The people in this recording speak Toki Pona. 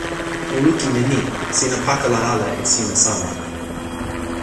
o lukin e ni: sina pakala ala e sina sama.